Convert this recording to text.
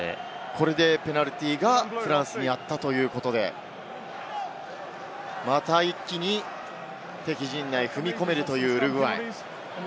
これでペナルティーがフランスにあったということで、また一気に敵陣内に踏み込めるというウルグアイ。